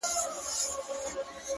• مثنوي کي دا کیسه مي ده لوستلې,